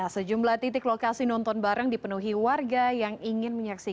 sejumlah titik lokasi nonton bareng dipenuhi warga